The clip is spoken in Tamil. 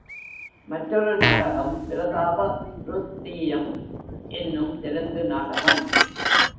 மற்றொரு நாடகம், பிரதாப ருத்ரீயம் என்னும் தெலுங்கு நாடகம்.